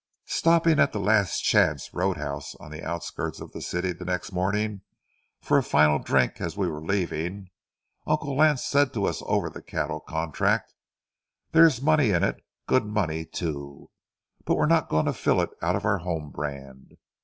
Stopping at the "last chance" road house on the outskirts of the city the next morning, for a final drink as we were leaving, Uncle Lance said to us over the cattle contract: "There's money in it—good money, too. But we're not going to fill it out of our home brand.